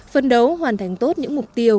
phân đấu hoàn thành tốt những mục tiêu